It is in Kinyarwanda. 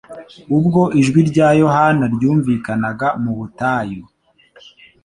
ubwo ijwi rya Yohana ryumvikaniraga mu butayu